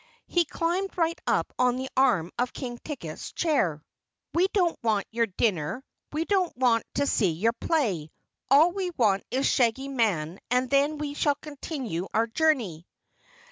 He climbed right up on the arm of King Ticket's chair. "We don't want your dinner. We don't want to see your play. All we want is the Shaggy Man and then we shall continue our journey."